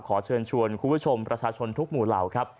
ขอเชิญชวนคุณผู้ชมประชาชนทุกหมู่เหล่าครับ